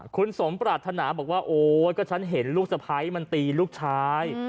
คุณสมปรารถนาบอกว่าโอ๊ยก็ฉันเห็นลูกสะพ้ายมันตีลูกชาย